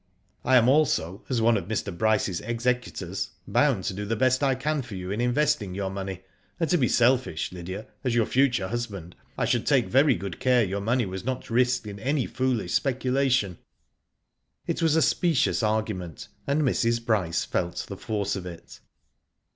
" I am also, as one of Mr. Bryce*s executors, bound to do the best I can for you in investing your money, and to be selfish, Lydia, as your future husband, I should take very good care your money was not risked in any foolish specula tion." It was a specious argument, and Mrs. Bryce felt the force of it.